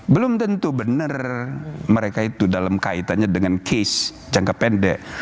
belum tentu benar mereka itu dalam kaitannya dengan case jangka pendek